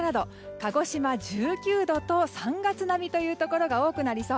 鹿児島、１９度と３月並みというところが多くなりそう。